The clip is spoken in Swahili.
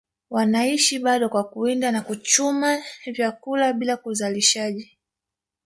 wanaishi bado kwa kuwinda na kuchuma vyakula bila uzalishaji